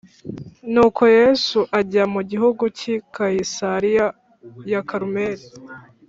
Nuko Yesu ajya mu gihugu cy i Kayisariya ya karumeri